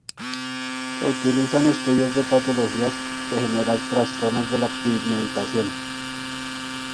Se utiliza en el estudio de patologías que generan trastornos de la pigmentación.